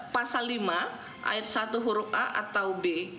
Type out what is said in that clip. pasal lima ayat satu huruf a atau b